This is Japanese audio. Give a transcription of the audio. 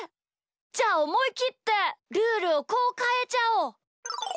じゃあおもいきってルールをこうかえちゃおう！